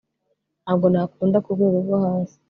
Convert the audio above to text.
ntabwo nakunda kurwego rwo hasi